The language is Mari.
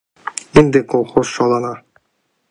— Ынде колхоз шалана.